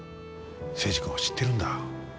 征二君を知ってるんだ。